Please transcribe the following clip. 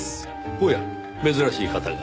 おや珍しい方が。